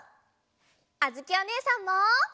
あづきおねえさんも！